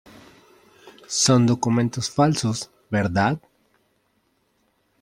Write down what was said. son documentos falsos, ¿ verdad?